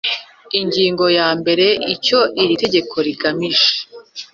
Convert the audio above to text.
Ingingo ya mbere Icyo iri tegeko rigamije